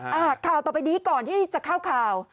อ่าข่าวต่อไปนี้ก่อนที่จะเข้าข่าว